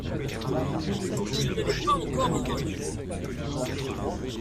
Je ne l’ai pas encore entendue.